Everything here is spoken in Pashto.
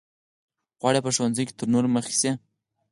غواړي په ښوونځي کې تر نورو مخکې شي.